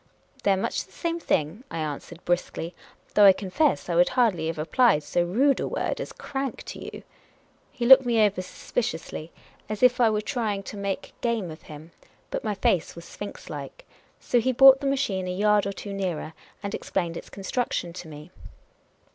" They are much the same thing," I answered, briskly. " Though I confess I would hardly have applied so rude a word as crank to you." He looked me over suspiciously, as if I were trying to 74 Miss Cayley's Adventures make game of him, but my face was sphinx like. So he brought the machine a yard or two nearer, and explained its construction to me.